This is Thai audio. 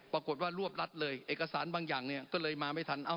ปรากฏว่ารวบรัดเลยเอกสารบางอย่างเนี่ยก็เลยมาไม่ทัน